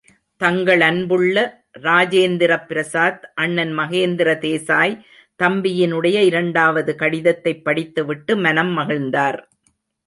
தங்களன்புள்ள இராஜேந்திர பிரசாத் அண்ணன் மகேந்திர தேசாய் தம்பியினுடைய இரண்டாவது கடிதத்தைப் படித்து விட்டு மனம் மகிழ்ந்தார்!